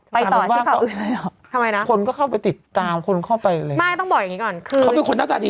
พอพักพี่มนต์สายตาคือพอพัก